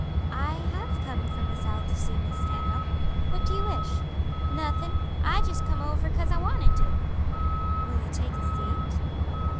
"I have come from the South to see Miss Stanhope. What do you wish?" "Nothin', I just come over 'cause I wanted to." "Will you take a seat?"